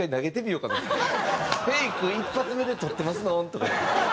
「フェイク１発目でとってますのん？」とか。